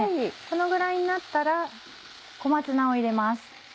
このぐらいになったら小松菜を入れます。